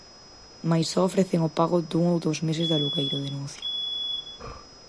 "Mais só ofrecen o pago dun ou dous meses de alugueiro", denuncia.